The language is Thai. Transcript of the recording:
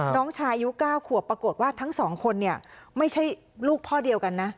น้องชายอายุ๙ขวบปรากฏว่าทั้งสองคนเนี่ยไม่ใช่ลูกพ่อเดียวกันนะ